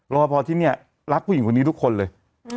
รอพอที่นี่รักผู้หญิงคนนี้ทุกคนเลย